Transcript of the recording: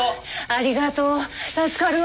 ありがとう助かるわ。